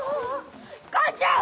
母ちゃん！